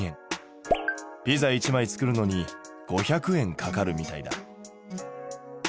ピザ１枚作るのに５００円かかるみたいだ。